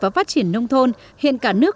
và phát triển nông thôn hiện cả nước